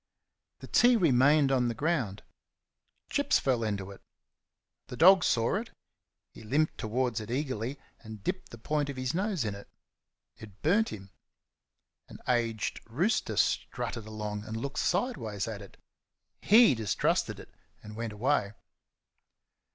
The tea remained on the ground. Chips fell into it. The dog saw it. He limped towards it eagerly, and dipped the point of his nose in it. It burnt him. An aged rooster strutted along and looked sideways at it. HE distrusted it and went away.